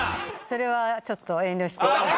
それはちょっと遠慮して。